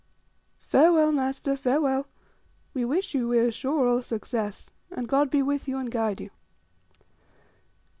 "Farewell, master, farewell. We wish you, we are sure, all success, and God be with you, and guide you!"